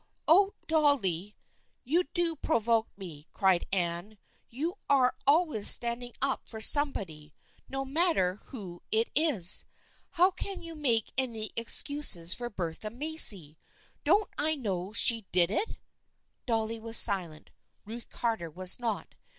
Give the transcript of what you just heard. " Oh, Dolly, you do provoke me !" cried Anne. "You are always standing up for somebody, no matter who it is. How can you make any ex cuses for Bertha Macy ? Don't I know she did it?" Dolly was silent. Ruth Carter was not.